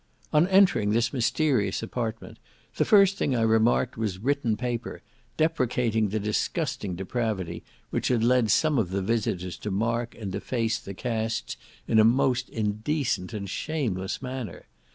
On entering this mysterious apartment, the first thing I remarked, was written paper, deprecating the disgusting depravity which had led some of the visitors to mark and deface the casts in a most indecent and shameless manner.